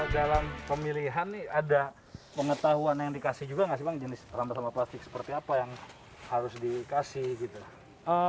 dalam pemilihan nih ada pengetahuan yang dikasih juga nggak sih bang jenis sampah sampah plastik seperti apa yang harus dikasih gitu